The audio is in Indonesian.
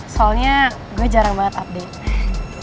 soalnya gue jarang banget update